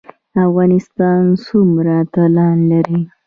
افغانستان څومره اتلان لري؟